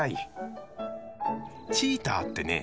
チーターってね